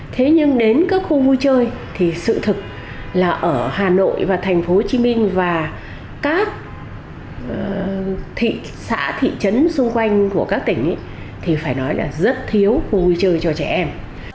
thế nhưng đến các khu vui chơi thì sự thực là ở hà nội và thành phố hồ chí minh và các thị xã thị trấn xung quanh của các tỉnh thì phải nói là rất thiếu khu vui chơi cho trẻ em